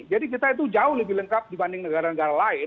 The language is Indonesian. jadi kita itu jauh lebih lengkap dibanding negara negara lain